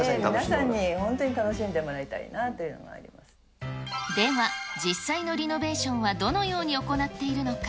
皆さんに本当に楽しんでもらでは実際のリノベーションはどのように行っているのか。